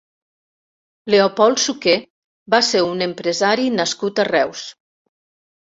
Leopold Suqué va ser un empresari nascut a Reus.